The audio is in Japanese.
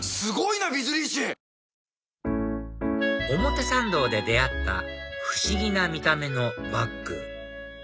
表参道で出会った不思議な見た目のバッグ